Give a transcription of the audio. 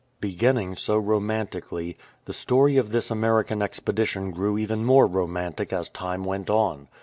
Beginning so romantically, the story of this American expedition grew even more romantic as time went on.